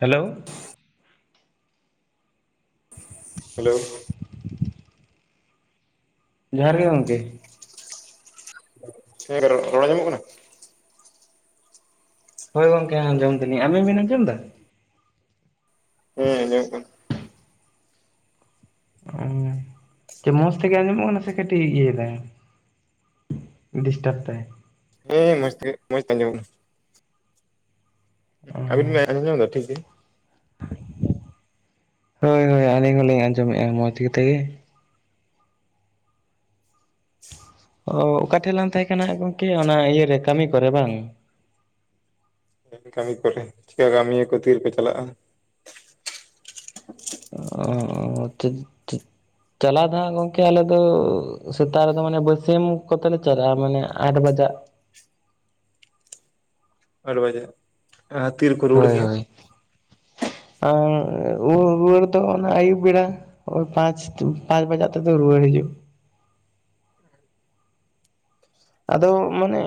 Hello hello ᱡᱚᱦᱟᱨ ᱜᱮ ᱜᱚᱝᱠᱮ, ᱦᱮᱸ ᱨᱚᱲ ᱨᱚᱲ ᱟᱸᱡᱚᱢᱚᱜ ᱠᱟᱱᱟ? ᱦᱳᱭ ᱜᱚᱝᱠᱮ ᱟᱸᱡᱚᱢ ᱫᱟᱞᱤᱧ ᱟᱵᱮᱱ ᱵᱮᱱ ᱟᱸᱡᱚᱢ ᱫᱟ? ᱦᱮᱸ ᱟᱸᱡᱚᱢᱚᱜ ᱠᱟᱱᱟ᱾ ᱚ ᱪᱮ ᱢᱚᱸᱡᱽ ᱛᱮᱜᱮ ᱟᱸᱡᱚᱢᱚᱜ ᱠᱟᱱᱟ ᱥᱮ ᱠᱟᱹᱴᱤᱡ ᱤᱭᱟᱹᱭ ᱫᱟᱭ ᱰᱤᱥᱴᱟᱵᱽ ᱫᱟᱭ? ᱦᱮᱸ ᱢᱚᱸᱡᱽ ᱛᱮ ᱢᱚᱸᱡᱽ ᱛᱮ ᱟᱸᱡᱚᱢᱚᱜ ᱠᱟᱱᱟ᱾ ᱟᱵᱤᱱ ᱵᱤᱱ ᱟᱸᱡᱚᱢ ᱫᱟ ᱴᱷᱤᱠ ᱜᱤ? ᱦᱳᱭ ᱦᱳᱭ ᱟᱹᱞᱤᱧ ᱦᱚᱸᱞᱤᱧ ᱟᱸᱡᱚᱢᱮᱫ-ᱟ ᱢᱚᱸᱡᱽ ᱠᱟᱛᱮ ᱜᱮ᱾ [inaudible] ᱚ ᱚᱠᱟ ᱴᱷᱮᱡ ᱞᱟᱝ ᱛᱟᱦᱮᱸ ᱠᱟᱱᱟ ᱜᱚᱝᱠᱮ? ᱚᱱᱟ ᱤᱭᱟᱹ ᱨᱮ ᱠᱟᱹᱢᱤ ᱠᱚᱨᱮ ᱵᱟᱝ᱾ ᱠᱟᱹᱢᱤ ᱠᱟᱹᱢᱤ ᱠᱚ ᱛᱮᱦᱮᱱ ᱪᱤᱠᱟ ᱠᱟᱹᱢᱤᱭᱟᱹ ᱠᱚ ᱛᱤᱨᱮᱠᱚ ᱪᱟᱞᱟᱜ-ᱟ? ᱚ ᱴᱷᱤᱠ ᱴᱷᱤᱠ᱾ ᱪᱟᱞᱟᱣ ᱫᱚ ᱦᱟᱸᱜ ᱜᱚᱝᱠᱮ ᱟᱞᱮ ᱫᱚ ᱥᱮᱛᱟᱜ ᱨᱮᱫᱚ ᱢᱟᱱᱮ ᱵᱟᱹᱥᱮᱢ [unintelligible] ᱠᱚᱛᱮ ᱞᱮ ᱪᱟᱞᱟᱜ-ᱟ ᱢᱟᱱᱮ ᱟᱴ ᱵᱟᱡᱟᱜ᱾ ᱟᱴ ᱵᱟᱡᱟᱜ, ᱟᱨ ᱛᱤᱨᱮ ᱠᱚ ᱨᱩᱣᱟᱹᱲ ᱜᱮᱭᱟ? ᱟ ᱨᱩ ᱨᱩᱣᱟᱹᱲ ᱫᱚ ᱚᱱᱟ ᱟᱹᱭᱩᱵ ᱵᱮᱲᱟ ᱯᱟᱸᱪ ᱯᱟᱸᱪ ᱵᱟᱡᱟᱜ ᱛᱮᱫᱚ ᱨᱩᱣᱟᱹᱲ ᱦᱤᱡᱩᱜ᱾ ᱟᱫᱚ ᱢᱟᱱᱮ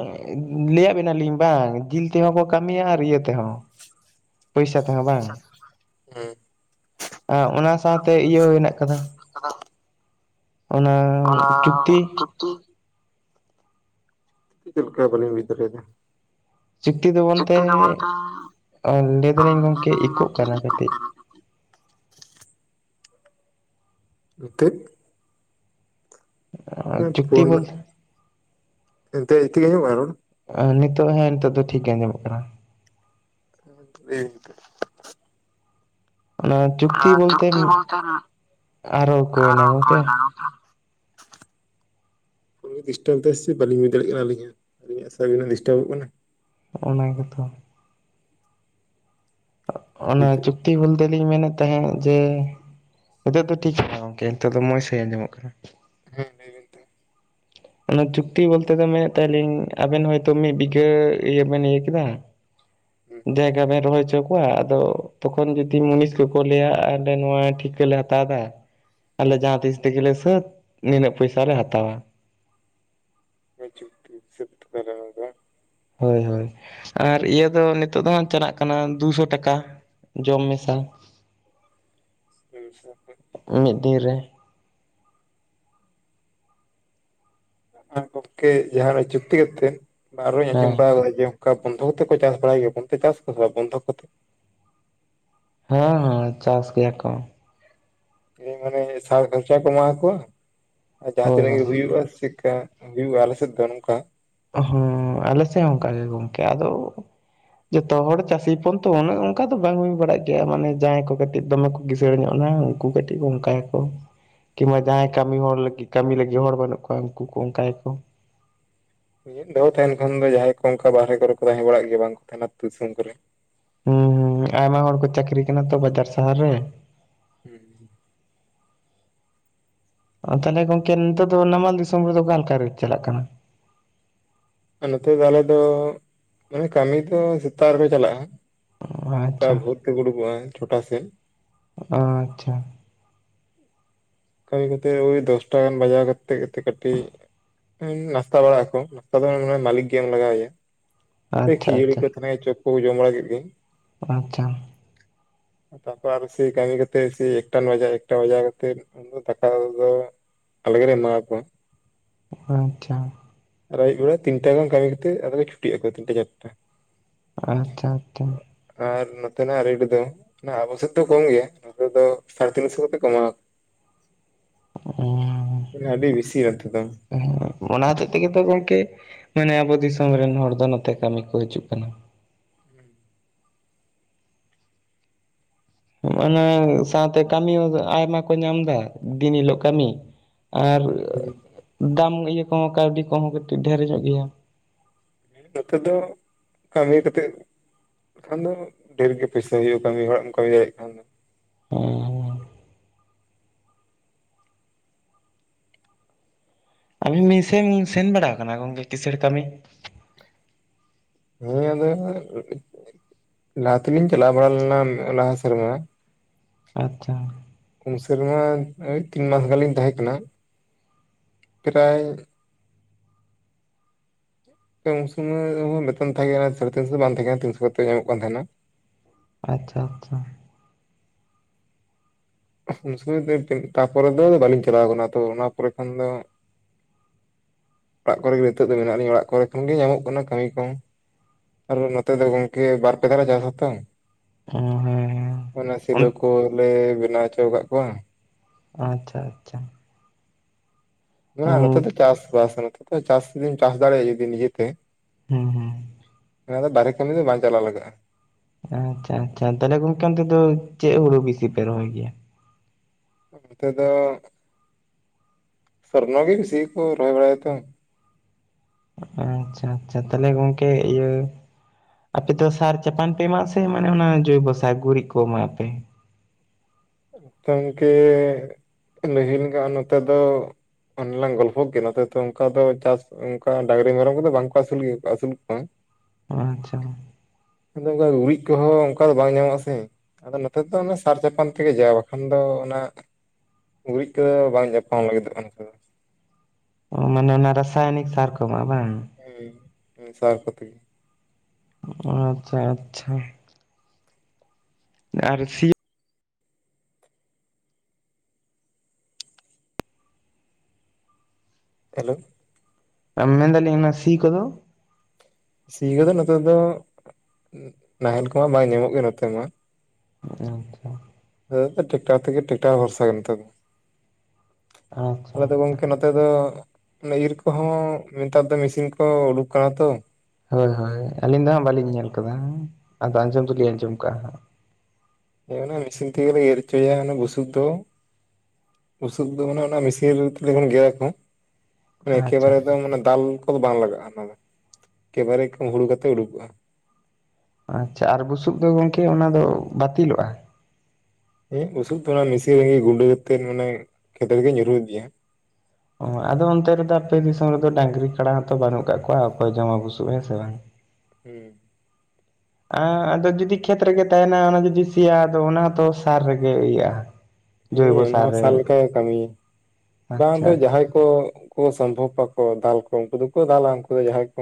ᱞᱟᱹᱭᱟᱫ ᱵᱤᱱᱟ ᱞᱤᱧ ᱵᱟᱝ ᱜᱤᱞ ᱛᱮᱦᱚᱸ ᱠᱚ ᱠᱟᱹᱢᱤᱭᱟ ᱟᱨ ᱤᱭᱟᱹ ᱛᱮᱦᱚᱸ ᱯᱚᱭᱥᱟ ᱛᱮᱦᱚᱸ ᱵᱟᱝ᱾ ᱦᱩᱸ ᱟ ᱚᱱᱟ ᱥᱟᱶᱛᱮ ᱤᱭᱟᱹ ᱦᱚᱸ ᱦᱮᱱᱟᱜ ᱠᱟᱫᱟ᱾ ᱟᱫᱚ ᱫᱚ ᱚᱱᱟ ᱪᱩᱠᱛᱤ᱾ ᱪᱩᱠᱛᱤ ᱪᱮᱫ ᱞᱮᱠᱟ ᱵᱟᱹᱞᱤᱧ ᱵᱩᱡᱽ ᱫᱟᱲᱤᱭᱟᱫᱟ? ᱪᱩᱠᱛᱤ ᱫᱚ ᱵᱚᱱᱛᱮ ᱞᱟᱹᱭ ᱞᱟᱹᱭ ᱫᱟᱞᱤᱧ ᱜᱚᱝᱠᱮ ᱤᱠᱳᱠ ᱜᱚᱝᱠᱮ ᱠᱟᱱᱟ ᱤᱠᱳᱜ ᱠᱟᱹᱴᱤᱡ᱾ ᱠᱟᱱᱟ ᱢᱤᱛᱟᱹᱫ ᱪᱩᱠᱛᱤ ᱵᱚᱞᱛᱮ [inaudible] ᱮᱱᱛᱮ ᱤᱛᱤᱫ ᱦᱚᱸ ᱵᱟᱭ ᱨᱚᱲᱟ᱾ ᱟ ᱱᱤᱛᱚᱜ ᱦᱮᱸ ᱱᱤᱛᱚᱜ ᱫᱚ ᱴᱷᱤᱠ ᱜᱮ ᱟᱸᱡᱚᱢᱚᱜ ᱠᱟᱱᱟ᱾ [inaudible] ᱱᱚᱣᱟ ᱪᱩᱠᱛᱤ ᱵᱚᱞᱛᱮ ᱟᱨᱚ ᱠᱚᱭᱱᱟ ᱚᱠᱚᱭ ᱜᱚᱝᱠᱮ, ᱱᱟ [unintelligible] ᱯᱷᱳᱱᱠᱚᱮ ᱰᱤᱥᱴᱟᱵ ᱮᱫᱟ ᱥᱮ ᱵᱟᱞᱤᱧ ᱵᱩᱡᱽ ᱫᱟᱲᱤᱭᱟᱜ ᱠᱟᱱᱟ ᱟᱹᱞᱤᱧ ᱦᱚᱸ ᱟᱹᱞᱤᱧ ᱥᱟᱨᱵᱷᱮ ᱰᱤᱥᱴᱟᱵᱚᱜ ᱠᱟᱱᱟ ᱚᱱᱟ ᱜᱮ ᱛᱷᱚ, ᱚᱱᱟ ᱱᱤᱛᱚᱜ ᱪᱩᱠᱛᱤ ᱵᱚᱞᱛᱮ ᱞᱤᱧ ᱢᱮᱱᱮᱫ ᱛᱮᱦᱮᱸᱫ ᱡᱮ ᱱᱤᱛᱚᱜ ᱫᱚ ᱴᱷᱤᱠ ᱠᱟᱱᱟ ᱜᱚᱝᱠᱮ ᱱᱤᱛᱚᱜ ᱫᱚ ᱢᱚᱸᱡᱽ ᱥᱟᱺᱦᱤᱡ ᱟᱸᱡᱚᱢᱚᱜ ᱠᱟᱱᱟ᱾ ᱦᱮᱸ ᱞᱟᱹᱭ ᱵᱮᱱ [inaudible] ᱚᱱᱟ ᱪᱩᱠᱛᱤ ᱵᱚᱞᱛᱮ ᱫᱚ ᱢᱮᱱᱮᱫ ᱛᱟᱦᱮᱸᱫ ᱞᱤᱧ ᱟᱵᱮᱱ ᱦᱚᱭᱛᱳ ᱢᱤᱫ ᱵᱤᱜᱷᱟᱹ ᱤᱭᱟᱹ ᱵᱮᱱ ᱤᱭᱟᱹ ᱠᱮᱫᱟ᱾ ᱡᱟᱭᱜᱟ ᱵᱮᱱ ᱨᱚᱦᱚᱭ ᱚᱪᱚ ᱢᱟ ᱟᱫᱚ ᱛᱚᱠᱷᱚᱱ ᱡᱩᱫᱤ ᱢᱩᱱᱤᱥ ᱠᱚᱠᱚ ᱞᱟᱹᱭᱟ ᱟᱞᱮ ᱱᱚᱣᱟ ᱴᱷᱤᱠᱟᱹᱞᱮ ᱦᱟᱛᱟᱣ ᱫᱟ᱾ ᱟᱞᱮ ᱦᱮᱸ ᱡᱟᱦᱟᱸ ᱛᱤᱥ ᱛᱮᱜᱮᱞᱮ ᱥᱟᱹᱛ ᱱᱤᱱᱟᱹᱜ ᱯᱚᱭᱥᱟᱞᱮ ᱦᱟᱛᱟᱣᱟ ᱾ ᱦᱮᱸ ᱡᱩᱠᱛᱤ ᱦᱤᱥᱟᱹᱵ ᱛᱮᱯᱮ ᱨᱚᱦᱚᱭᱟ ᱵᱟ ᱦᱳᱭ ᱦᱳᱭ ᱟᱨ ᱤᱭᱟᱹ ᱫᱚ ᱱᱤᱛᱚᱜ ᱫᱚ ᱦᱟᱸᱜ ᱪᱟᱞᱟᱜ ᱠᱟᱱᱟ ᱫᱩᱥᱚ ᱴᱟᱠᱟ ᱾ ᱡᱚᱢ ᱢᱮᱥᱟ ᱾ [unintelligible] ᱢᱤᱫ ᱫᱤᱱ ᱨᱮ ᱾ ᱟᱨ ᱜᱚᱢᱠᱮ ᱡᱟᱦᱟᱸᱱᱟᱜ ᱪᱩᱠᱛᱤ ᱠᱟᱛᱮ ᱵᱟ ᱟᱨᱦᱚᱧ ᱟᱸᱡᱚᱢ ᱦᱮᱸ ᱵᱟᱲᱟ ᱠᱟᱫᱟ ᱡᱮ ᱠᱟ ᱵᱚᱱᱫᱷᱚᱠ ᱠᱚᱛᱮ ᱠᱚ ᱪᱟᱥ ᱵᱟᱲᱟᱭ ᱜᱮᱭᱟ ᱚᱱᱛᱮ ᱪᱟᱥ ᱟᱠᱚ ᱥᱮ ᱵᱟᱝ ᱵᱚᱱᱫᱷᱚᱠ ᱠᱚᱛᱮ? ᱦᱮᱸ ᱦᱮ ᱪᱟᱥ ᱜᱮᱭᱟ ᱠᱚ ᱾ ᱦᱮᱸ ᱢᱟᱱᱮ ᱥᱟᱨ ᱠᱷᱚᱨᱪᱟ ᱠᱚ ᱮᱢᱟ ᱠᱚᱣᱟ ᱟᱨ ᱡᱟᱦᱟᱸ ᱦᱳᱭ ᱛᱤᱱᱟᱹᱜ ᱜᱮ ᱦᱳᱭ ᱦᱩᱭᱩᱜᱼᱟ ᱪᱤᱠᱟ᱾ ᱦᱩᱭᱩᱜᱼᱟ ᱟᱞᱮᱥᱮᱫ ᱫᱚ ᱱᱚᱝᱠᱟ ᱾ ᱦᱚᱸ ᱟᱞᱮ ᱥᱮ ᱚᱱᱠᱟ ᱜᱮ ᱜᱚᱢᱠᱮ ᱟᱫᱚ ᱾ ᱡᱚᱛᱚ ᱦᱚᱲ ᱪᱟᱹᱥᱤ ᱦᱚᱯᱚᱱ ᱛᱚ ᱩᱱᱟᱹ ᱚᱱᱠᱟ ᱫᱚ ᱵᱟᱝ ᱦᱩᱭ ᱵᱟᱲᱟᱜ ᱜᱮᱭᱟ ᱢᱟᱱᱮ ᱡᱟᱦᱟᱸᱭ ᱠᱚ ᱠᱟᱹᱴᱤᱡ ᱫᱚᱢᱮ ᱠᱚ ᱾ ᱠᱤᱥᱟᱹᱲ ᱧᱚᱜ ᱮᱱᱟ ᱩᱱᱠᱩ ᱠᱟᱹᱴᱤᱡ ᱚᱱᱠᱟᱭᱟᱠᱚ ᱾ ᱠᱤᱢᱵᱟ ᱡᱟᱦᱟᱸᱭ ᱠᱟᱹᱢᱤ ᱦᱚᱲ ᱞᱟᱹᱜᱤᱫ ᱠᱟᱹᱢᱤ ᱞᱟᱹᱜᱤᱫ ᱦᱚᱲ ᱵᱟᱹᱱᱩᱜ ᱠᱚᱣᱟ ᱩᱱᱠᱩ ᱠᱚ ᱚᱱᱠᱟ ᱭᱟᱠᱚ ᱾ ᱢᱤᱫ ᱫᱟᱷᱟᱣ ᱛᱟᱦᱮᱱ ᱠᱷᱟᱱ ᱫᱚ ᱡᱟᱦᱟᱸᱭ ᱠᱚ ᱚᱱᱠᱟ ᱵᱟᱨᱦᱮ ᱠᱚᱨᱮ ᱠᱚ ᱛᱟᱦᱮᱸ ᱵᱟᱲᱟᱜ ᱜᱮᱭᱟ ᱵᱟᱝᱠᱚ ᱛᱟᱦᱮᱱᱟ ᱫᱤᱥᱚᱢ ᱠᱚᱨᱮ ᱾ ᱦᱩᱸ ᱦᱩᱸ ᱟᱭᱢᱟ ᱦᱚᱲ ᱠᱚ ᱪᱟᱹᱠᱨᱤ ᱠᱟᱱᱟ ᱛᱚ ᱵᱟᱡᱟᱨ ᱥᱟᱦᱟᱨ ᱨᱮ ᱾ ᱦᱩᱸ ᱚ ᱛᱟᱦᱚᱞᱮ ᱜᱚᱝᱠᱮ ᱱᱮᱛᱟᱨ ᱫᱚ ᱱᱟᱢᱟᱞ ᱫᱤᱥᱚᱢ ᱨᱮᱫᱚ ᱚᱠᱟ ᱞᱮᱠᱟ ᱨᱮᱴ ᱪᱟᱞᱟᱜ ᱠᱟᱱᱟ ᱾ ᱟᱨ ᱱᱚᱛᱮ ᱫᱚ ᱟᱞᱮ ᱫᱚ ᱢᱟᱱᱮ ᱠᱟᱢᱤ ᱫᱚ ᱥᱮᱛᱟᱜ ᱨᱮᱠᱚ ᱪᱟᱞᱟᱜᱼᱟ ᱾ ᱛᱟ ᱟᱪᱪᱷᱟ ᱵᱷᱳᱨᱛᱤ ᱠᱚ ᱚᱰᱚᱠᱚᱜᱼᱟ ᱪᱷᱚᱴᱟ ᱥᱮᱜ ᱟᱸᱪᱪᱷᱟ ᱠᱟᱹᱢᱤ ᱠᱚᱛᱮ ᱳᱭ ᱫᱚᱥᱴᱟ ᱜᱟᱱ ᱵᱟᱡᱟᱣ ᱠᱟᱛᱮᱫ [unintelligible] ᱛ ᱠᱟᱹᱴᱤᱡ ᱚᱸ ᱱᱟᱥᱛᱟ ᱵᱟᱲᱟ ᱟᱠᱚ ᱱᱟᱥᱛᱟ ᱫᱚ ᱢᱟᱞᱤᱠ ᱜᱮ ᱞᱟᱜᱟᱣᱭᱟ ᱾ ᱮᱭ ᱟᱪᱪᱷᱟ ᱠᱷᱤᱡᱲᱤ ᱟᱪᱪᱷᱟ ᱠᱚ ᱛᱟᱦᱮᱭ ᱪᱚᱯ ᱠᱚᱠᱚ ᱡᱚᱢ ᱵᱟᱲᱟ ᱠᱮᱫ ᱜᱤ ᱟᱸᱪᱪᱷᱟ ᱛᱟᱨᱯᱚᱨ ᱟᱨ ᱥᱮ ᱠᱟᱹᱢᱤ ᱠᱟᱛᱮ ᱥᱮ ᱮᱠᱴᱟᱱ ᱵᱟᱡᱟ ᱮᱠᱴᱟ ᱵᱟᱡᱟᱣ ᱠᱟᱛᱮᱫ ᱩᱱᱫᱚ ᱫᱟᱠᱟ ᱠᱚᱫᱚ ᱟᱞᱮᱜᱮᱞᱮ ᱮᱢᱟᱣ ᱠᱚᱣᱟ ᱦᱟᱱ ᱪᱷᱟ ᱟᱨ ᱟᱹᱭᱩᱵ ᱵᱮᱲᱟ ᱛᱤᱱᱴᱟ ᱜᱟᱱ ᱠᱟᱹᱢᱤ ᱠᱟᱛᱮᱫ ᱟᱫᱚ ᱪᱷᱩᱴᱤᱜ ᱟᱠᱚ ᱛᱤᱱᱴᱟ ᱪᱟᱴᱴᱟ ᱟᱪᱪᱷᱟ ᱟᱪᱪᱷᱟᱼᱼ ᱟᱨ ᱱᱚᱛᱮᱱᱟᱜ ᱨᱮᱴ ᱫᱚᱼᱼ ᱟᱵᱚᱥᱮᱛ ᱫᱚ ᱠᱚᱢ ᱜᱮ ᱱᱚᱛᱮ ᱫᱚ ᱥᱟᱲᱮ ᱛᱤᱱᱥᱚ ᱠᱟᱛᱮ ᱠᱚ ᱮᱢᱟᱣᱟ ᱾ ᱟᱹᱰᱤ ᱵᱮᱥᱤ ᱟᱛᱮ ᱫᱚ ᱾ ᱦᱮ ᱚᱱᱟ ᱦᱚᱛᱮᱡ ᱛᱮᱜᱮ ᱛᱚ ᱜᱚᱝᱠᱮ ᱢᱟᱱᱮ ᱟᱵᱚ ᱫᱤᱥᱚᱢ ᱨᱮᱱ ᱦᱚᱲ ᱫᱚ ᱱᱚᱛᱮ ᱠᱟᱹᱢᱤ ᱠᱚ ᱦᱤᱡᱩᱜ ᱠᱟᱱᱟ ᱾ ᱚᱱᱟ ᱥᱟᱶᱛᱮ ᱠᱟᱹᱢᱤ ᱦᱚᱸ ᱟᱭᱢᱟ ᱠᱚ ᱧᱟᱢ ᱮᱫᱟ ᱫᱤᱱ ᱦᱤᱞᱳᱜ ᱠᱟᱹᱢᱤ ᱾ ᱟᱨᱼᱼ ᱦᱮᱼᱼ ᱫᱟᱢ ᱤᱭᱟᱹ ᱠᱚᱦᱚᱸ ᱠᱟᱹᱣᱰᱤ ᱠᱚᱦᱚᱸ ᱠᱟᱹᱴᱤᱡ ᱰᱷᱮᱮᱴᱨ ᱧᱚᱜ ᱜᱮᱭᱟ ᱾ ᱱᱚᱛᱮ ᱫᱚ ᱠᱟᱹᱢᱤ ᱠᱟᱛᱮᱜᱼᱼ ᱠᱷᱟᱱ ᱫᱚ ᱰᱷᱮᱨ ᱜᱮ ᱯᱚᱭᱥᱟ ᱦᱩᱭᱩᱜᱼᱟ ᱠᱟᱹᱢᱤ ᱦᱚᱲᱟᱜ ᱮᱢ ᱠᱟᱹᱢᱤ ᱫᱟᱲᱮᱭᱟᱜ ᱠᱷᱟᱱ ᱫᱚ ᱾ ᱯᱟᱞᱟᱚᱱ [unintelligible] ᱟᱢᱤᱱ ᱢᱮᱥᱮᱢ ᱥᱮᱱ ᱵᱟᱲᱟ ᱟᱠᱟᱱᱟ ᱜᱚᱝᱠᱮ ᱠᱤᱥᱟᱹᱬ ᱠᱟᱹᱢᱤ? ᱦᱮᱸ ᱟᱫᱚᱼᱼ ᱞᱟᱦᱟ ᱛᱮᱞᱤᱧ ᱪᱟᱞᱟᱣ ᱵᱟᱲᱟ ᱞᱮᱱᱟ ᱞᱟᱦᱟ ᱥᱮᱨᱢᱟ᱾ ᱟᱪᱪᱷᱟ᱾ ᱯᱩᱱ ᱥᱮᱨᱢᱟ ᱳᱭ ᱛᱤᱱ ᱢᱟᱥ ᱜᱟᱱᱞᱤᱧ ᱛᱟᱦᱮᱸ ᱠᱟᱱᱟ ᱯᱨᱟᱭ᱾ ᱩᱱ ᱥᱩᱢᱟᱹᱭ ᱦᱚᱸ ᱵᱮᱛᱚᱱ ᱛᱟᱦᱮᱸ ᱠᱟᱱᱟ ᱥᱟᱲᱮ ᱛᱤᱱ ᱥᱚ ᱫᱚ ᱵᱟᱝ ᱛᱟᱦᱮᱸ ᱠᱟᱱᱟ ᱛᱤᱱᱥᱚ ᱠᱟᱛᱮᱜ ᱜᱮ ᱧᱟᱢᱚᱜ ᱠᱟᱱ ᱛᱟᱦᱮᱸᱱᱟ᱾ ᱟᱪᱪᱷᱟ-ᱟᱪᱪᱷᱟ᱾ ᱩᱱ ᱥᱚᱢᱚᱭ ᱫᱚ ᱤᱱᱠᱟᱹ ᱛᱟᱨᱯᱚᱨᱮ ᱫᱚ ᱵᱟᱹᱞᱤᱧ ᱪᱟᱞᱟᱣ ᱟᱠᱟᱱᱟ ᱛᱚ ᱚᱱᱟ ᱯᱚᱨᱮ ᱠᱷᱚᱱ ᱫᱚ᱾ ᱚᱲᱟᱜ ᱠᱚᱨᱮ ᱜᱮ ᱱᱤᱛᱚᱜ ᱫᱚ ᱢᱮᱱᱟᱜ ᱞᱤᱧᱟ ᱚᱲᱟᱜ ᱠᱚᱨᱮ ᱠᱷᱚᱱ ᱜᱮ ᱧᱟᱢᱚᱜ ᱠᱟᱱᱟ ᱠᱟᱹᱢᱤ ᱠᱚ᱾ ᱟᱨ ᱱᱚᱛᱮ ᱫᱚ ᱜᱚᱝᱠᱮ ᱵᱟᱨ ᱯᱮ ᱫᱷᱟᱶ ᱞᱮ ᱪᱟᱥ ᱟᱛᱚ᱾ ᱚ ᱦᱮᱸ᱾ ᱚᱱᱟ ᱚᱱ ᱥᱤᱞᱟᱹ ᱠᱚᱻᱞᱮᱻ ᱵᱮᱱᱟᱣ ᱦᱚᱪᱚ ᱟᱠᱟᱫᱽ ᱠᱚᱣᱟ᱾ ᱟᱪᱪᱷᱟ-ᱟᱪᱪᱷᱟ᱾ ᱚᱱᱟ ᱱᱚᱛᱮ ᱫᱚ ᱪᱟᱥᱵᱟᱥ ᱱᱚᱛᱮ ᱫᱚ ᱪᱟᱥ ᱡᱩᱫᱤᱢ ᱪᱟᱥ ᱫᱟᱲᱮᱭᱟᱜᱼᱟ ᱱᱤᱡᱮᱛᱮ᱾ ᱦᱮᱸ-ᱦᱮᱸ᱾ ᱦᱮᱸ ᱟᱫᱚ ᱵᱟᱨᱦᱮ ᱠᱟᱹᱢᱤ ᱫᱚ ᱵᱟᱝ ᱪᱟᱞᱟᱣ ᱞᱟᱜᱟᱜᱼᱟ᱾ ᱟᱪᱪᱷᱟ-ᱟᱪᱪᱷᱟ ᱛᱟᱦᱚᱞᱮ ᱜᱚᱝᱠᱮ ᱚᱱᱛᱮ ᱫᱚ ᱪᱮᱫ ᱦᱩᱲᱩ ᱵᱮᱥᱤ ᱯᱮ ᱨᱚᱦᱚᱭ ᱜᱮᱭᱟ᱾ ᱱᱚᱛᱮ ᱫᱚ ᱥᱚᱨᱱᱚ ᱜᱮ ᱵᱤᱥᱤ ᱠᱚ ᱨᱚᱦᱚᱭ ᱵᱟᱲᱟᱭᱟ ᱛᱚ᱾ ᱟᱪᱪᱷᱟ-ᱟᱪᱪᱷᱟ ᱛᱟᱦᱚᱞᱮ ᱜᱚᱝᱠᱮ ᱤᱭᱟᱹ ᱟᱯᱮ ᱫᱚ ᱥᱟᱨ ᱪᱟᱯᱟᱱ ᱯᱮ ᱮᱢᱟᱜ ᱟᱥᱮ ᱢᱟᱱᱮ ᱚᱱᱟ ᱡᱚᱭᱵᱟᱥᱟᱭ ᱜᱩᱨᱤᱡᱽ ᱠᱚ ᱮᱢᱟᱜ ᱯᱮ᱾ ᱜᱚᱝᱠᱮ ᱱᱟᱦᱤᱞᱜᱟ ᱱᱚᱛᱮ ᱫᱚ ᱚᱱᱮ ᱞᱟᱝ ᱜᱚᱞᱯᱦᱚ ᱠᱮᱫ ᱱᱚᱛᱮ ᱫᱚ ᱚᱱᱠᱟ ᱫᱚ ᱪᱟᱥ ᱚᱱᱠᱟ ᱰᱟᱝᱨᱤ ᱢᱮᱨᱚᱢ ᱠᱚᱫᱚ ᱵᱟᱝᱠᱚ ᱟᱹᱥᱩᱞ ᱜᱮ ᱟᱹᱥᱩᱞ ᱠᱚᱣᱟ᱾ ᱟᱪᱪᱷᱟ ᱚᱱᱠᱟ ᱫᱚ ᱜᱩᱨᱤᱡ ᱠᱚᱦᱚᱸ ᱚᱱᱠᱟ ᱫᱚ ᱵᱟᱝ ᱧᱟᱢᱚᱜ ᱟᱥᱮ ᱟᱫᱚ ᱱᱚᱛᱮ ᱫᱚ ᱚᱱᱟ ᱥᱟᱨ ᱪᱟᱯᱟᱱ ᱛᱮᱜᱮ ᱡᱟ ᱵᱟᱠᱷᱟᱱ ᱫᱚ ᱚᱱᱟ ᱜᱩᱨᱤᱡᱽ ᱠᱚᱫᱚ ᱵᱟᱝ ᱡᱟᱯᱟᱢ ᱞᱟᱹᱜᱤᱫᱚᱜᱼᱟ ᱱᱚᱛᱮ ᱫᱚ᱾ ᱢᱟᱱᱮ ᱚᱱᱟ ᱨᱟᱥᱟᱭᱱᱤᱠ ᱥᱟᱨ ᱠᱚ ᱮᱢᱟᱜ-ᱟ ᱵᱟᱝ᱾ ᱦᱮᱸ, ᱦᱮ ᱥᱟᱨ ᱠᱚᱛᱮ ᱜᱮ᱾ ᱟᱪᱪᱷᱟ-ᱟᱪᱪᱷᱟ᱾ ᱟᱨ ᱥᱤ ᱦᱮᱞᱳ ᱢᱮᱱ ᱫᱟᱞᱤᱧ ᱚᱱᱟ ᱥᱤ ᱠᱚᱫᱚ, ᱥᱤ ᱠᱚᱫᱚ ᱱᱚᱛᱮ ᱫᱚ ᱱᱟᱦᱮᱞ ᱠᱚᱢᱟ ᱵᱟᱭ ᱧᱟᱢᱚᱜ ᱜᱮᱭᱟ ᱱᱚᱛᱮ ᱢᱟ᱾ ᱟᱪᱪᱷᱟ᱾ ᱴᱮᱠᱴᱟᱨ ᱛᱮᱜᱮ ᱴᱮᱠᱴᱟᱨ ᱵᱷᱚᱨᱥᱟ ᱜᱮ ᱱᱚᱛᱮ ᱫᱚ ᱛᱟᱦᱮ ᱫᱚ, ᱟᱪᱪᱷᱟ ᱟᱞᱮ ᱫᱚ ᱜᱚᱝ ᱟᱪᱪᱷᱟ ᱠᱮ ᱱᱚᱛᱮ ᱫᱚ ᱤᱨ ᱠᱚᱦᱚᱸ ᱱᱮᱛᱟᱨ ᱫᱚ ᱢᱮᱥᱤᱱ ᱠᱚ ᱩᱰᱩᱠ ᱠᱟᱱᱟ ᱛᱚ᱾ ᱦᱳᱭ-ᱦᱳᱭ ᱟᱹᱞᱤᱧ ᱫᱚ ᱦᱟᱸᱜ ᱵᱟᱹᱞᱤᱧ ᱧᱮᱞ ᱟᱠᱟᱫᱟ ᱟᱫᱚ ᱟᱸᱡᱚᱢ ᱫᱚᱞᱤᱧ ᱟᱸᱡᱚᱢ ᱟᱠᱟᱜᱼᱟ ᱦᱟᱸᱜ᱾ ᱦᱮᱸ ᱚᱱᱮ ᱢᱮᱤᱥᱤᱱ ᱛᱮᱜᱮ ᱞᱮ ᱤᱨ ᱦᱚᱪᱚᱭᱟ ᱚᱱᱟ ᱵᱩᱥᱩᱵ ᱫᱚ᱾ ᱵᱩᱥᱩᱵ ᱫᱚ ᱚᱱᱮ ᱚᱱᱟ ᱢᱤᱥᱤᱱ ᱨᱮ ᱛᱟᱦᱞᱮ ᱠᱦᱟᱱ ᱜᱮᱫᱟ ᱠᱚ᱾ ᱟᱪᱪᱷᱟ ᱮᱠᱮᱵᱟᱨᱮ ᱫᱚ ᱢᱟᱱᱮ ᱫᱟᱞ ᱠᱚᱫᱚ ᱵᱟᱝ ᱞᱟᱜᱟᱜᱼᱟ ᱚᱱᱟ ᱫᱚ ᱮᱠᱮᱵᱟᱨᱮ ᱦᱩᱲᱩ ᱠᱟᱛᱮ ᱩᱰᱩᱠᱚᱜᱼᱟ᱾ ᱟᱪᱪᱷᱟ ᱟᱨ ᱵᱩᱥᱩᱵ ᱫᱚ ᱜᱚᱝᱠᱮ ᱚᱱᱟ ᱫᱚ ᱵᱟᱹᱛᱤᱞᱚᱜᱼᱟ᱾ ᱦᱮᱸ ᱵᱩᱥᱩᱵ ᱛᱚ ᱚᱱᱟ ᱢᱤᱥᱤᱱ ᱨᱮᱜᱮ ᱜᱩᱸᱰᱟᱹ ᱠᱟᱛᱮᱫ ᱢᱟᱱᱮ ᱠᱷᱮᱛ ᱨᱮᱜᱮ ᱧᱩᱨᱩ ᱤᱫᱤᱜ-ᱟ᱾ ᱚ ᱟᱫᱚ ᱚᱱᱛᱮ ᱨᱮᱫᱚ ᱟᱯᱮ ᱫᱤᱥᱚᱢ ᱨᱮᱫᱚ ᱰᱟᱺᱝᱨᱤ ᱠᱟᱰᱟ ᱦᱚᱸᱛᱚ ᱵᱟᱹᱱᱩᱜ ᱟᱠᱟᱜ ᱠᱚᱣᱟ ᱚᱠᱚᱭ ᱡᱚᱢᱟ ᱵᱩᱥᱩᱵ ᱦᱮᱸ ᱥᱮ ᱵᱟᱝ᱾ ᱦᱮᱸ᱾ ᱮᱸ ᱟᱫᱚ ᱡᱩᱫᱤ ᱠᱷᱮᱛ ᱨᱮᱜᱮ ᱛᱟᱦᱮᱱᱟ ᱚᱱᱟ ᱡᱩᱫᱤ ᱥᱮᱭᱟ-ᱟ ᱟᱫᱚ ᱚᱱᱟ ᱦᱚᱸᱛᱚ ᱥᱟᱨ ᱨᱮᱜᱮ ᱤᱭᱟᱹᱜᱼᱟ᱾ ᱡᱳᱭᱵᱚ ᱦᱮᱸ ᱚᱱᱟ ᱦᱚᱸ ᱨᱮ ᱥᱟᱨ ᱞᱮᱠᱟᱜᱮᱭ ᱠᱟᱹᱢᱤᱭᱟ, ᱵᱟᱝ ᱟᱪᱪᱷᱟ ᱫᱚ ᱟᱪᱪᱷᱟ ᱡᱟᱦᱟᱸᱭ ᱠᱚ, ᱠᱚ ᱥᱚᱢᱵᱷᱚᱵ ᱟᱠᱚ ᱫᱟᱞ ᱠᱚ ᱩᱱᱠᱩ ᱫᱚᱠᱚ ᱫᱟᱞᱟ ᱩᱱᱠᱩ ᱫᱚ ᱡᱟᱦᱟᱸᱭ ᱠᱚ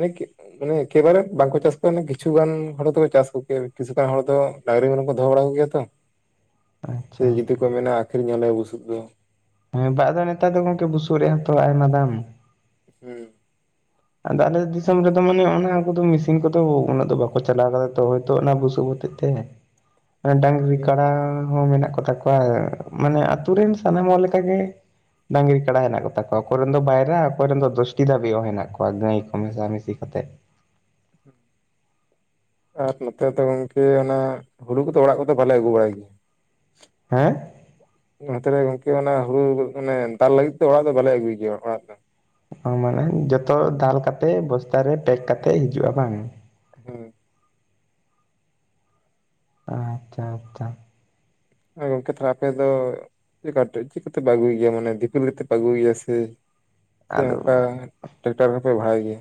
ᱞᱤᱠ ᱢᱟᱱᱮ ᱮᱠᱮᱵᱟᱨᱮ ᱵᱟᱝᱠᱚ ᱪᱟᱥ [inaudible] ᱠᱤᱪᱷᱩᱜᱟᱱ ᱦᱚᱲ ᱫᱚᱠᱚ ᱪᱟᱥ ᱠᱚ ᱠᱮ ᱠᱤᱪᱷᱩ ᱜᱟᱱ ᱦᱚᱲ ᱫᱚ ᱰᱟᱺᱝᱨᱤ ᱢᱮᱨᱚᱢ ᱠᱚ ᱫᱚᱦᱚ ᱵᱟᱲᱟ ᱠᱚ ᱜᱮᱭᱟ ᱛᱚ, ᱥᱮ ᱟᱪᱪᱷᱟ ᱡᱩᱫᱤ ᱟᱪᱪᱷᱟ ᱠᱚ ᱢᱮᱱᱟ ᱟᱹᱠᱷᱨᱤᱧ ᱟᱞᱮ ᱵᱩᱥᱩᱵ ᱫᱚ᱾ ᱦᱮᱸ ᱵᱟᱝ ᱟᱫᱚ ᱱᱮᱛᱟᱨ ᱫᱚ ᱜᱚᱢᱠᱮ ᱵᱩᱥᱩᱵ ᱨᱮᱭᱟᱜ ᱦᱚᱸᱛᱚ ᱟᱭᱢᱟ ᱫᱟᱢ᱾ ᱦᱩᱸ, ᱟᱫᱚ ᱟᱞᱮ ᱫᱤᱥᱚᱢ ᱨᱮᱫᱚ ᱢᱟᱱᱮ ᱚᱱᱟ ᱠᱚᱫᱚ ᱢᱮᱥᱤᱱ ᱠᱚᱫᱚ ᱩᱱᱟᱹᱜ ᱫᱚ ᱵᱟᱠᱚ ᱪᱟᱞᱟᱣ ᱠᱟᱫᱟ ᱛᱚ ᱦᱚᱭᱛᱚ ᱚᱱᱟ ᱵᱩᱥᱩᱵ ᱦᱚᱛᱮᱡ ᱛᱮ [unintelligible] ᱰᱟᱺᱝᱨᱤ ᱠᱟᱰᱟ ᱦᱚᱸ ᱢᱮᱱᱟᱜ ᱠᱚᱛᱟ ᱠᱚᱣᱟ ᱢᱟᱱᱮ ᱟᱛᱩ ᱨᱮᱱ ᱥᱟᱱᱟᱢ ᱦᱚᱲ ᱞᱮᱠᱟ ᱜᱮ ᱰᱟᱺᱝᱨᱤ ᱠᱟᱰᱟ ᱦᱮᱱᱟᱜ ᱠᱚᱛᱟ ᱠᱚᱣᱟ ᱚᱠᱚᱭ ᱨᱮᱱ ᱫᱚ ᱵᱟᱭᱨᱟ ᱚᱠᱚᱭ ᱨᱮᱱ ᱫᱚ ᱫᱚᱥᱴᱤ ᱫᱷᱟᱵᱤᱡ ᱦᱚᱸ ᱦᱮᱱᱟᱜ ᱠᱚᱣᱟ᱾ ᱠᱚᱣᱟ ᱜᱟᱹᱭ ᱠᱚ ᱢᱮᱥᱟ ᱢᱤᱥᱤ ᱠᱟᱛᱮᱜ᱾ ᱟᱨ ᱱᱚᱛᱮ ᱫᱚ ᱜᱚᱝᱠᱮ ᱚᱱᱟ ᱦᱩᱲᱩ ᱠᱚᱫᱚ ᱚᱲᱟᱜ ᱠᱚᱫᱚ ᱵᱟᱞᱮ ᱟᱹᱜᱩ ᱵᱟᱲᱟᱭ ᱜᱮᱭᱟ᱾ ᱦᱮᱸ? ᱱᱚᱛᱮ ᱨᱮ ᱜᱚᱝᱠᱮ ᱚᱱᱟ ᱦᱩᱲᱩ ᱢᱟᱱᱮ ᱫᱟᱞ ᱞᱟᱹᱜᱤᱫ ᱛᱮ ᱚᱲᱟᱜ ᱫᱚ ᱵᱟᱞᱮ ᱟᱹᱜᱩᱭ ᱜᱮᱭᱟ ᱚᱲᱟᱜ ᱫᱚ᱾ ᱚ ᱢᱟᱱᱮ ᱡᱚᱛᱚ ᱫᱟᱞ ᱠᱟᱛᱮᱜ ᱵᱚᱥᱛᱟ ᱨᱮ ᱯᱮᱠ ᱠᱟᱛᱮᱫ ᱦᱤᱡᱩᱜ-ᱟ ᱵᱟᱝ᱾ ᱦᱩᱸ, ᱟᱪᱪᱷᱟ ᱟᱪᱪᱷᱟ᱾ ᱜᱚᱢᱠᱮ ᱛᱚᱦᱚᱞᱮ ᱟᱯᱮ ᱫᱚ ᱪᱮᱫ ᱠᱟᱛᱮ ᱪᱮᱫ ᱡᱚᱛᱮᱯᱮ ᱟᱹᱜᱩᱭ ᱜᱮᱭᱟ ᱢᱟᱱᱮ ᱫᱤᱯᱤᱞ ᱠᱟᱛᱮ ᱯᱮ ᱟᱹᱜᱩᱭ ᱜᱮᱭᱟ ᱥᱮ ᱥᱮ ᱟᱫᱚ ᱚᱱᱠᱟ ᱴᱮᱠᱴᱟᱨ ᱠᱚᱯᱮ ᱵᱷᱟᱲᱟᱭ ᱜᱮᱭᱟ᱾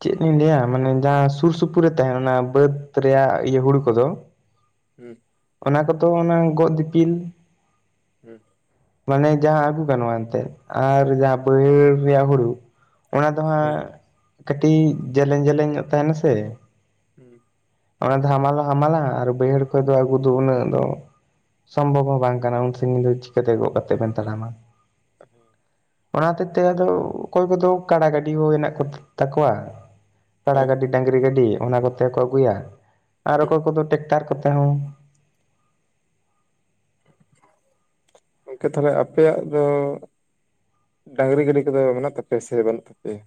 ᱪᱮᱫ ᱤᱧ ᱞᱟᱹᱭᱟ ᱢᱟᱱᱮ ᱡᱟᱦᱟᱸ ᱥᱩᱨ ᱥᱩᱯᱩᱨ ᱨᱮ ᱛᱟᱦᱮᱸᱱ ᱚᱱᱟ ᱵᱟᱹᱫ ᱨᱮᱭᱟᱜ ᱤᱭᱟᱹ ᱦᱩᱲᱩ ᱠᱚᱫᱚ ᱦᱩᱸ, ᱚᱱᱟ ᱠᱚᱫᱚ ᱚᱱᱟ ᱜᱚᱜ ᱫᱤᱯᱤᱞ ᱦᱩᱸ, ᱢᱟᱱᱮ ᱡᱟᱦᱟᱸ ᱟᱹᱜᱩ ᱜᱟᱱᱚᱜ ᱮᱱᱛᱮᱜ ᱟᱨ ᱡᱟᱦᱟᱸ ᱵᱟᱹᱭᱦᱟᱹᱲ ᱨᱮᱭᱟᱜ ᱦᱩᱲᱩ ᱚᱱᱟ ᱫᱚ ᱦᱩᱸ ᱦᱟᱸᱜ ᱠᱟᱹᱴᱤᱡ ᱡᱮᱞᱮᱧ ᱡᱮᱞᱮᱧ ᱧᱚᱜ ᱛᱟᱦᱮᱸᱱᱟ ᱥᱮ? ᱦᱩᱸ ᱚᱱᱟ ᱫᱚ ᱦᱟᱢᱟᱞ ᱦᱚᱸ ᱦᱟᱢᱟᱞᱟ ᱟᱨ ᱵᱟᱹᱭᱦᱟᱹᱲ ᱠᱷᱚᱡ ᱫᱚ ᱟᱹᱜᱩ ᱫᱚ ᱩᱱᱟᱹᱜ ᱫᱚ ᱥᱚᱢᱵᱷᱚᱵ ᱦᱚᱸ ᱵᱟᱝ ᱠᱟᱱᱟ ᱩᱱ ᱥᱟᱹᱜᱤᱧ ᱫᱚ ᱪᱤᱠᱟᱹ ᱛᱮ ᱜᱚᱜ ᱠᱟᱛᱮ ᱵᱮᱱ ᱛᱟᱲᱟᱢᱟ᱾ ᱦᱩᱸ᱾ ᱚᱱᱟ ᱦᱚᱛᱮᱜ ᱛᱮ ᱟᱫᱚ ᱚᱠᱚᱭ ᱠᱚᱫᱚ ᱠᱟᱰᱟ ᱜᱟᱹᱰᱤ ᱦᱚᱸ ᱦᱮᱱᱟᱜ ᱠᱚ ᱛᱟᱠᱚᱣᱟ᱾ ᱠᱟᱰᱟ ᱦᱮᱸ ᱜᱟᱹᱰᱤ ᱰᱟᱺᱝᱨᱤ ᱜᱟᱹᱰᱤ ᱚᱱᱟ ᱠᱚᱛᱮ ᱠᱚ ᱟᱹᱜᱩᱭᱟ ᱟᱨ ᱚᱠᱚᱭ ᱠᱚᱫᱚ ᱴᱮᱠᱴᱟᱨ ᱠᱚᱛᱮ ᱦᱚᱸ᱾ ᱜᱚᱢᱠᱮ ᱛᱟᱦᱚᱞᱮ ᱟᱯᱮᱭᱟᱜ ᱫᱚ ᱰᱟᱺᱝᱨᱤ ᱜᱟᱹᱰᱤ ᱠᱚᱫᱚ ᱢᱮᱱᱟᱜ ᱛᱟᱯᱮᱭᱟ ᱥᱮ ᱵᱟᱹᱱᱩᱜ ᱛᱟᱯᱮᱭᱟ?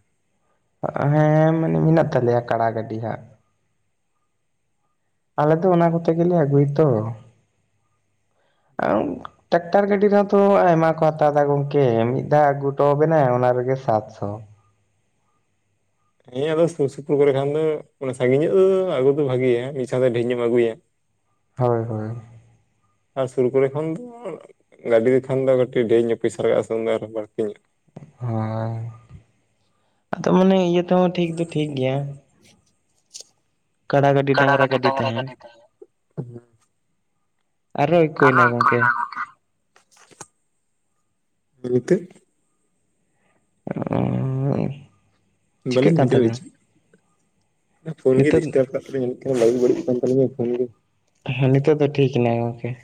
ᱦᱮᱸ ᱢᱟᱱᱮ ᱢᱮᱱᱟᱜ ᱛᱟᱞᱮᱭᱟ ᱠᱟᱲᱟ ᱜᱟᱹᱰᱤ ᱦᱟᱸᱜ᱾ ᱟᱞᱮ ᱫᱚ ᱚᱱᱟ ᱠᱚᱛᱮ ᱜᱮᱞᱮ ᱟᱹᱜᱩᱭ ᱛᱚ, [unintelligible] ᱴᱨᱟᱠᱴᱟᱨ ᱜᱟᱹᱰᱤ ᱨᱮᱦᱚᱸᱛᱚ ᱟᱭᱢᱟ ᱠᱚ ᱦᱟᱛᱟᱣ ᱮᱫᱟ ᱜᱚᱝᱠᱮ ᱢᱤᱫ ᱫᱷᱟᱣ ᱟᱹᱜᱩ ᱦᱚᱴᱚ ᱟᱵᱤᱱᱟᱭ ᱚᱱᱟ ᱨᱮᱜᱮ ᱥᱟᱛᱥᱚ᱾ ᱦᱮᱸ ᱟᱫᱚ ᱥᱩᱨ ᱥᱩᱯᱩᱨ ᱠᱚᱨᱮ ᱠᱷᱟᱱ ᱫᱚ ᱢᱟᱱᱮ ᱥᱟᱺᱜᱤᱧ ᱧᱚᱜ ᱫᱚ ᱟᱹᱜᱩ ᱫᱚ ᱵᱷᱟᱜᱮᱭᱟ, ᱢᱤᱫ ᱥᱟᱶᱛᱮ ᱰᱷᱮᱨ ᱧᱚᱜ ᱮᱢ ᱟᱹᱜᱩᱭᱟ᱾ ᱦᱳᱭ ᱦᱳᱭ, ᱟᱨ ᱥᱩᱨ ᱠᱚᱨᱮ ᱠᱷᱚᱱ ᱫᱚ ᱜᱟᱹᱰᱤ ᱞᱮᱠᱷᱟᱱ ᱫᱚ ᱠᱟᱹᱴᱤᱡ ᱰᱷᱮᱨ ᱯᱚᱭᱥᱟ ᱞᱟᱜᱟᱜ-ᱟ ᱥᱮ ᱩᱱ ᱫᱚ ᱟᱨᱚ ᱵᱟᱹᱲᱛᱤ ᱾ ᱦᱮᱸ ᱟᱫᱚ ᱢᱟᱱᱮ ᱤᱭᱟᱹ ᱛᱮᱦᱚᱸ ᱴᱷᱤᱠ ᱫᱚ ᱴᱷᱤᱠ ᱜᱮᱭᱟ᱾ [unintelligible] ᱠᱟᱰᱟ ᱜᱟᱹᱰᱤ ᱰᱟᱝᱨᱟ ᱜᱟᱹᱰᱤ ᱛᱟᱦᱮᱸ᱾ ᱟᱨᱚ ᱤᱠᱳᱭᱮᱱᱟ ᱜᱚᱝᱠᱮ [inaudible] ᱱᱤᱛᱳᱜ? [unintelligible] ᱪᱤᱠᱟᱹᱜ ᱵᱟᱹᱞᱤᱧ ᱵᱩᱡ ᱠᱟᱱ ᱛᱟᱵᱮᱱᱟ ᱫᱟᱲᱮᱭᱟᱜ ᱪᱮᱫ? ᱯᱷᱳᱱ ᱜᱮ ᱱᱤᱛᱚᱜ ᱰᱤᱥᱴᱟᱵ ᱠᱟᱫ ᱛᱟᱞᱤᱧᱟ ᱢᱤᱫᱴᱟᱝ ᱵᱟᱭᱤᱠ ᱵᱟᱹᱲᱤᱡ ᱠᱟᱱ ᱛᱟᱞᱤᱧ ᱮᱠᱷᱚᱱ ᱜᱮ᱾ ᱦᱮᱸ ᱱᱤᱛᱚᱜ ᱫᱚ ᱴᱷᱤᱠ ᱮᱱᱟᱭ ᱜᱚᱝᱠᱮ ᱾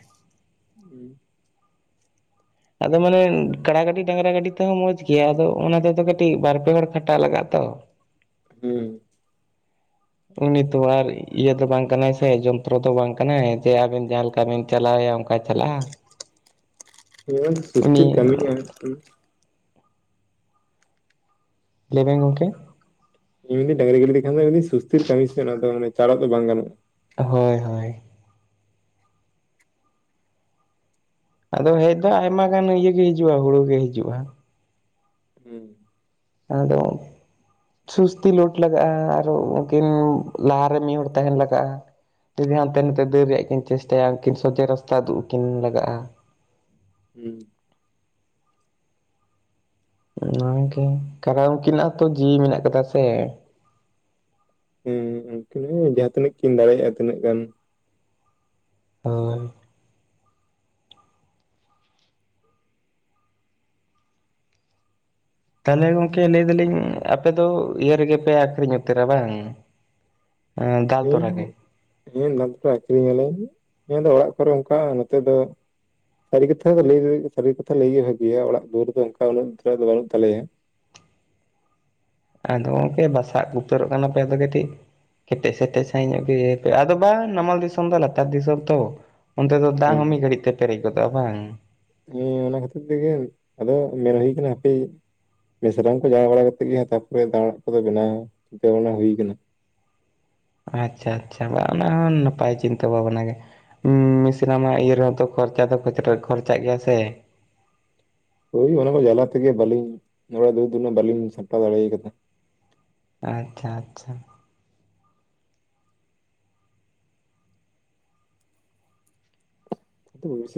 [unintelligible] ᱟᱫᱚ ᱢᱟᱱᱮ ᱠᱟᱲᱟ ᱜᱟᱰᱤ ᱰᱟᱝᱨᱟ ᱜᱟᱰᱤ ᱛᱮ ᱦᱚᱸ ᱢᱚᱸᱡᱽ ᱜᱮᱭᱟ ᱟᱫᱚ ᱚᱱᱟ ᱠᱟᱹᱴᱤᱡ ᱵᱟᱨ ᱯᱮ ᱦᱚᱲ ᱠᱷᱟᱴᱟᱜ ᱞᱟᱜᱟᱜ-ᱟ ᱛᱚ᱾ ᱦᱩᱸ᱾ ᱩᱱᱤ ᱛᱚ ᱟᱨ ᱤᱭᱟᱹ ᱫᱚ ᱵᱟᱝ ᱠᱟᱱᱟᱭ ᱥᱮ ᱡᱚᱱᱛᱨᱚ ᱫᱚ ᱵᱟᱝ ᱠᱟᱱᱟᱭ ᱡᱮ ᱟᱵᱮᱱ ᱡᱟᱦᱟᱸ ᱞᱮᱠᱟ ᱵᱤᱱ ᱪᱟᱞᱟᱣᱭᱟ ᱚᱱᱠᱟ ᱪᱟᱞᱟᱜ-ᱟ ᱾ [unintelligible] ᱞᱟᱹᱭ ᱵᱮᱱ ᱜᱚᱢᱠᱮ ᱤᱧ ᱢᱮᱱᱫᱟᱹᱧ ᱰᱟᱝᱨᱤ ᱜᱟᱹᱰᱤ ᱛᱮ ᱠᱷᱟᱱ ᱢᱤᱫ ᱥᱩᱛᱤᱨ ᱠᱟᱹᱢᱤ ᱥᱮ ᱚᱱᱟᱫᱚ ᱪᱟᱬᱚᱜ ᱫᱚ ᱵᱟᱝ ᱜᱟᱱᱚᱜ-ᱟ᱾ ᱦᱳᱭ ᱦᱳᱭ ᱾ ᱟᱫᱚ ᱦᱮᱡ ᱫᱚ ᱟᱭᱢᱟ ᱜᱟᱱ ᱤᱭᱟᱹ ᱜᱮ ᱦᱤᱡᱩᱜ-ᱟ ᱦᱩᱲᱩ ᱜᱮ ᱦᱤᱡᱩᱜ-ᱟ ᱾ ᱦᱩᱸ ᱾ ᱟᱫᱚ ᱥᱩᱥᱛᱤ ᱞᱳᱰ ᱞᱟᱜᱟᱜ-ᱟ ᱟᱨᱚ ᱩᱱᱠᱤᱱ ᱞᱟᱦᱟᱨᱮ ᱢᱤᱫ ᱦᱚᱲᱚᱲ ᱛᱟᱦᱮᱱ ᱞᱟᱜᱟᱜ-ᱟ᱾ ᱡᱩᱫᱤ ᱦᱟᱱᱛᱮ ᱱᱟᱛᱮ ᱫᱟᱹᱲ ᱨᱮᱭᱟᱜ ᱠᱤᱱ ᱪᱮᱥᱴᱟᱭᱟ ᱩᱱᱠᱤᱱ ᱥᱚᱡᱷᱮ ᱨᱟᱥᱛᱟ ᱩᱫᱩᱜ ᱟᱹᱠᱤᱱ ᱞᱟᱜᱟᱜ-ᱟ ᱾ ᱦᱩᱸ ᱾ ᱚᱱᱟᱜᱮ ᱠᱟᱨᱚᱱ ᱩᱱᱠᱤᱱᱟᱜ ᱛᱚ ᱡᱤᱣᱤ ᱢᱮᱱᱟᱜ ᱠᱟᱫᱟ ᱥᱮ [unintelligible] ᱡᱟᱦᱟᱸ ᱛᱤᱱᱟᱹᱜ ᱠᱤᱱ ᱫᱟᱲᱮᱭᱟᱜ ᱛᱤᱱᱟᱹᱜ ᱜᱟᱱ ᱦᱳᱭ ᱾ ᱛᱟᱦᱚᱞᱮ ᱜᱚᱝᱠᱮ ᱞᱟᱹᱭ ᱫᱟᱞᱤᱧ ᱟᱯᱮ ᱫᱚ ᱤᱭᱟᱹ ᱨᱮᱜᱮ ᱯᱮ ᱟᱠᱷᱨᱤᱧ ᱩᱛᱟᱹᱨᱟ ᱵᱟᱝ ᱫᱟᱞ ᱛᱚᱨᱟ ᱜᱮ ᱦᱮᱸ [unintelligible] ᱟᱠᱷᱨᱤᱧ ᱟᱞᱮ [unintelligible] ᱚᱲᱟᱜ ᱠᱚᱨᱮ ᱚᱱᱠᱟᱜ ᱱᱚᱛᱮ ᱫᱚ ᱥᱟᱹᱨᱤ ᱠᱟᱛᱷᱟ ᱫᱚ ᱞᱟᱹᱭ ᱥᱟᱹᱨᱤ ᱠᱟᱛᱷᱟ ᱞᱟᱹᱭ ᱜᱮ ᱵᱷᱟᱜᱮᱭᱟ ᱚᱲᱟᱜ ᱫᱩᱣᱟᱹᱨ ᱫᱚ ᱚᱱᱠᱟ ᱩᱱᱟᱹᱜᱹ ᱫᱚ ᱵᱟᱹᱱᱩᱜ ᱛᱟᱞᱮᱭᱟ ᱾ ᱟᱫᱚ ᱜᱚᱢᱠᱮ ᱵᱟᱥᱟᱜ ᱩᱛᱟᱹᱨᱚᱜ ᱠᱟᱱᱟ ᱯᱮ ᱟᱫᱚ ᱠᱟᱹᱴᱤᱡ ᱠᱮᱴᱮᱡ ᱥᱮᱴᱮᱡ ᱥᱟᱦᱤᱧ ᱟᱫᱚ ᱵᱟᱝ ᱱᱟᱢᱟᱞ ᱫᱤᱥᱚᱢ ᱫᱚ ᱞᱟᱛᱟᱨ ᱫᱤᱥᱚᱢ ᱛᱚ ᱚᱱᱛᱮ ᱫᱚ ᱫᱟᱜ ᱦᱮᱸ ᱦᱚᱸ ᱢᱤᱫ ᱜᱷᱟᱹᱲᱤᱡ ᱛᱮ ᱯᱮᱨᱮᱡ ᱜᱚᱫᱚᱜ-ᱟ ᱵᱟᱝ ᱾ ᱦᱮᱸ ᱚᱱᱟ ᱠᱷᱟᱹᱛᱤᱨ ᱛᱮᱜᱮ ᱟᱫᱚ ᱢᱮᱱ ᱦᱩᱭ ᱠᱟᱱᱟ ᱦᱟᱯᱮ ᱢᱤᱥᱨᱟᱢ ᱠᱚ ᱡᱟᱣᱟᱭ ᱵᱟᱲᱟ ᱠᱟᱛᱮᱫ ᱜᱮ ᱛᱟᱯᱚᱨᱮ ᱫᱟᱞᱟᱱ ᱠᱚᱫᱚ ᱵᱮᱱᱟᱣ ᱪᱤᱱᱛᱟᱹ ᱵᱷᱟᱚᱱᱟ ᱦᱩᱭ ᱠᱟᱱᱟ ᱾ ᱟᱪᱪᱷᱟ ᱟᱪᱪᱷᱟ ᱟᱫᱚ ᱚᱱᱟ ᱦᱚᱸ ᱱᱟᱯᱟᱭ ᱪᱤᱱᱛᱟᱹ ᱵᱷᱟᱵᱽᱱᱟ ᱜᱮ ᱾ ᱢᱮᱤᱥᱱᱟᱢᱟ ᱤᱭᱟᱹ ᱨᱮᱦᱚᱸ ᱛᱚ ᱠᱷᱚᱨᱪᱟ ᱫᱚ ᱠᱷᱚᱨᱪᱟᱜ ᱜᱮᱭᱟ ᱥᱮ ᱾ ᱦᱳᱭ ᱚᱱᱟ ᱠᱚ ᱡᱟᱞᱟ ᱛᱮᱜᱮ ᱵᱟᱹᱞᱤᱧ ᱚᱲᱟᱜᱨᱮ ᱫᱩ ᱫᱩᱱᱟᱹᱜ ᱵᱟᱹᱞᱤᱧ ᱥᱟᱢᱯᱴᱟᱣ ᱫᱟᱲᱮ ᱠᱟᱫᱟ᱾ ᱟᱪᱪᱷᱟ ᱟᱪᱪᱷᱟ᱾ [unintelligible]